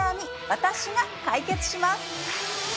私が解決します